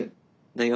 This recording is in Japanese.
大学？